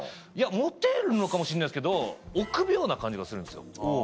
モテるのかもしんないですけど臆病な感じがするんですよ。